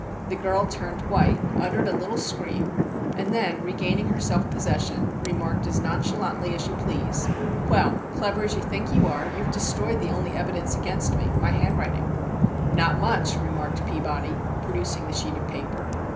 The girl turned white, uttered a little scream, and then, regaining her self possession, remarked as nonchalently as you please: "Well, clever as you think you are, you have destroyed the only evidence against me my handwriting." "Not much," remarked Peabody, producing the sheet of paper.